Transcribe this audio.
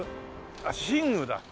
あっ寝具だ。